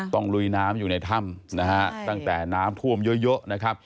ต้องลุยน้ำอยู่ในถ้ำตั้งแต่น้ำท่วมเยอะ